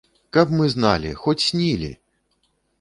Каб мы зналі, хоць снілі!